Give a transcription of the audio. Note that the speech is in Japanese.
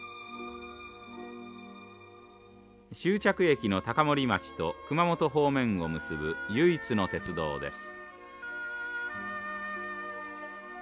終着駅の高森町と熊本方面を結ぶ唯一の鉄道です。